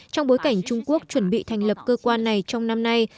trong bối cảnh trung quốc chuẩn bị thành lập cơ quan này trong năm nay